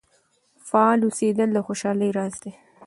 فعال اوسیدل د خوشحالۍ راز دی.